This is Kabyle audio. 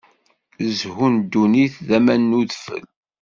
Zzhu n ddunit d aman n udfel.